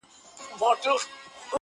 • سمندر، سیندونه ډک سول له ماهیانو -